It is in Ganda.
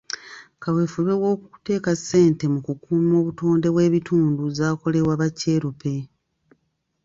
Kaweefube w'okuteeka ssente mu kukuuma obutonde bw'ekitundu zaakolebwa ba kyeruppe.